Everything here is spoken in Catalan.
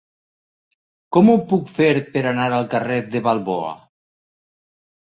Com ho puc fer per anar al carrer de Balboa?